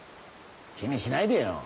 気にしないでよ。